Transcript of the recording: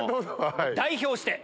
代表して。